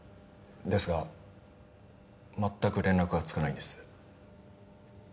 ですがまったく連絡がつかないんです。